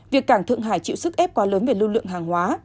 việc cảng thượng hải chịu sức ép quá lớn về lưu lượng hàng hóa